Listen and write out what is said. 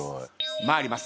参ります。